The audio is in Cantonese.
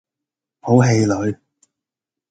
好氣餒